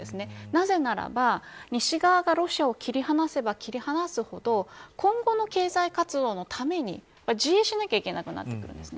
なぜならば、西側がロシアを切り離せば切り離すほど今後の経済活動のために自衛しなきゃいけなくなってくるんです。